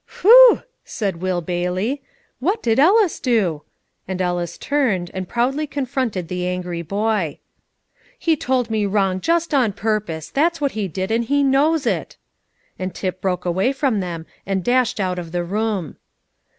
"Whew!" said Will Bailey; "what did Ellis do?" and Ellis turned, and proudly confronted the angry boy. "He told me wrong just on purpose; that's what he did, and he knows it." And Tip broke away from them, and dashed out of the room.